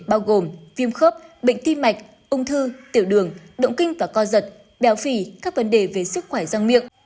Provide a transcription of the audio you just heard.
bao gồm viêm khớp bệnh tim mạch ung thư tiểu đường động kinh và co giật béo phì các vấn đề về sức khỏe răng miệng